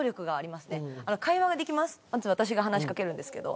まず私が話し掛けるんですけど。